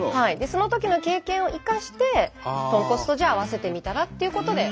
そのときの経験を生かして豚骨とじゃあ合わせてみたらっていうことで。